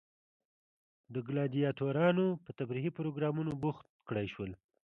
د ګلادیاتورانو په تفریحي پروګرامونو بوخت کړای شول.